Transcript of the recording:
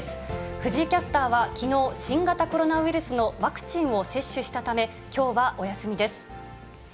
藤井キャスターはきのう、新型コロナウイルスのワクチンを接種したため、きょうはお休みです。